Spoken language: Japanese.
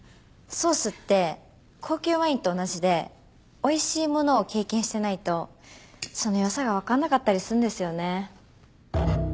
ソースって高級ワインと同じで美味しいものを経験してないとその良さがわかんなかったりするんですよね。